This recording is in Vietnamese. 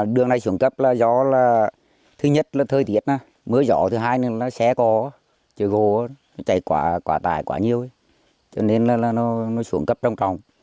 đường này xuống cấp là do thứ nhất là thời tiết mưa gió thứ hai là xe gỗ chở gỗ chạy quá tải quá nhiều cho nên là nó xuống cấp trong tròng